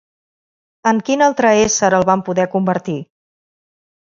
En quin altre ésser el van poder convertir?